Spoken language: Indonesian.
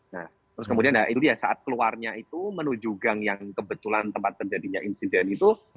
nah terus kemudian itu dia saat keluarnya itu menuju gang yang kebetulan tempat terjadinya insiden itu